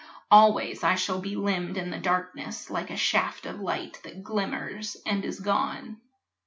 Always I shall be Limned on the darkness like a shaft of light That glimmers and is gone.